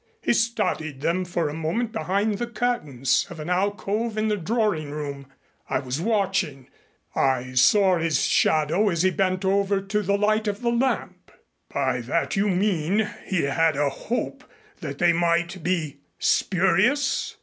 He studied them for a moment behind the curtains of an alcove in the drawing room. I was watching. I saw his shadow as he bent over to the light of the lamp." "By that you mean he had a hope that they might be spurious?"